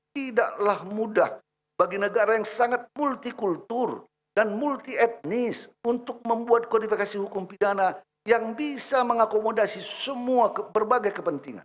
tidaklah mudah bagi negara yang sangat multikultur dan multi etnis untuk membuat kualifikasi hukum pidana yang bisa mengakomodasi semua berbagai kepentingan